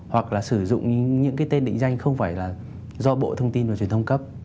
hoặc là sử dụng những cái tên định danh không phải là do bộ thông tin và truyền thông cấp